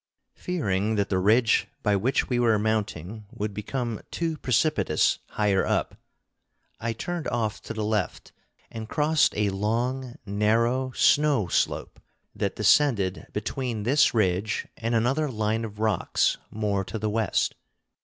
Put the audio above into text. Fearing that the ridge by which we were mounting would become too precipitous higher up, I turned off to the left, and crossed a long, narrow snow slope that descended between this ridge and another line of rocks more to the west.